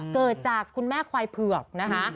เกิดจากคุณแม่ควายเผือกนะคะ